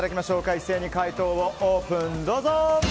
一斉に解答をオープン！